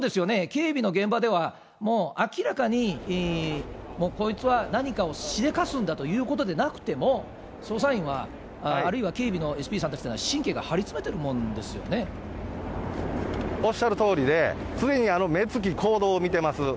警備の現場では、もう明らかに、こいつは何かをしでかすんだということでなくても、捜査員は、あるいは警備のＳＰさんたちっていうのは、神経が張り詰めてるもおっしゃるとおりで、常に目つき、行動を見てます。